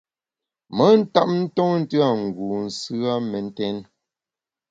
Me ntap ntonte a ngu nsù a mentèn.